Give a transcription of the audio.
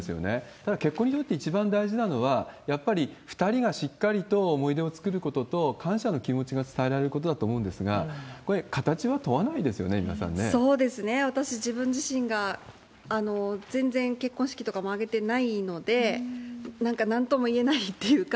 ただ、結婚にとって一番大事なのは、やっぱり２人がしっかりと思い出を作ることと、感謝の気持ちが伝えられることだと思うんですが、これ、形は問わないですよね、そうですね、私、自分自身が全然結婚式とかも挙げてないので、なんか、なんともいえないっていうか。